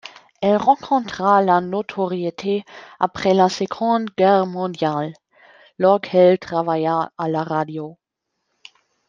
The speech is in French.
Elle rencontra la notoriété après la Seconde Guerre mondiale, lorsqu'elle travailla à la radio.